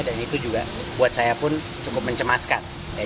dan itu juga buat saya pun cukup mencemaskan